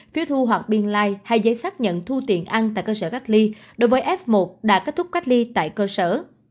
phiếu thu hoặc biên lai hay giấy xác nhận thu tiền ăn tại cơ sở cách ly đối với f một đã kết thúc cách ly tại cơ sở